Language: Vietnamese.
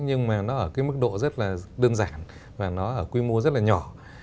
nhưng mà nó ở cái mức độ rất là đơn giản và nó ở quy mô rất là nhỏ